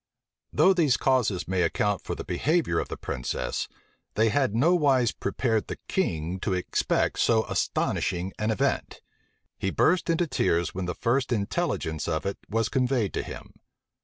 Though these causes may account for the behavior of the princess, they had nowise prepared the king to expect so astonishing an event. He burst into tears when the first intelligence of it was conveyed to him.